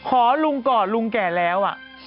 ขอลุงก่อนลุงแก่แล้ว